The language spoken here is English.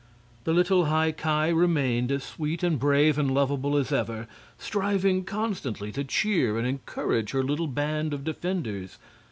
The little High Ki remained as sweet and brave and lovable as ever, striving constantly to cheer and encourage her little band of defenders.